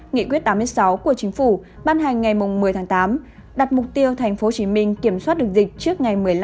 nghị quyết tám mươi sáu của chính phủ ban hành ngày một mươi tháng tám đặt mục tiêu tp hcm kiểm soát được dịch trước ngày một mươi năm